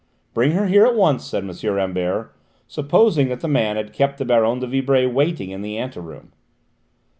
"Bring her in here at once," said M. Rambert, supposing that the man had kept the Baronne de Vibray waiting in the anteroom.